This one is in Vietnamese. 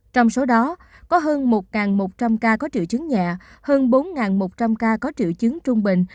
trong số đó có hơn một một trăm linh ca có triệu chứng nhẹ hơn bốn một trăm linh ca có triệu chứng trung bình